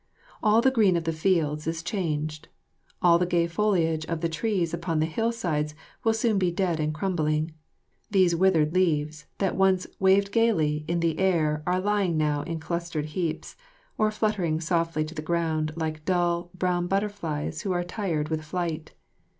All the green of the fields is changed. All the gay foliage of the trees upon the hillsides will soon be dead and crumbling. These withered leaves that once waved gaily in the air are lying now in clustered heaps, or fluttering softly to the ground like dull, brown butterflies who are tired with flight.